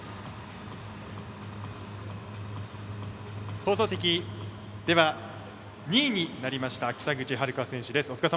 放送席、２位になりました北口榛花選手です。